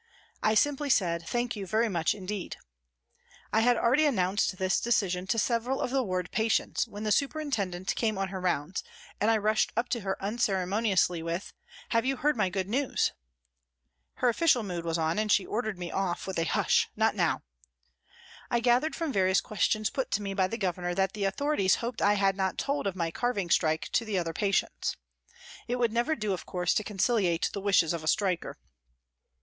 I bimply said " Thank you very much indeed." I had already announced this decision to several of the ward patients, when the superintendent came on her rounds and I rushed up 174 PRISONS AND PRISONERS to her unceremoniously with, " Have you heard my good news ?" Her official mood was on and she ordered me off with a " Hush ! not now." I gathered from various questions put to me by the Governor that the authorities hoped I had not told of my carving strike to the other patients. It would never do, of course, to conciliate the wishes of a striker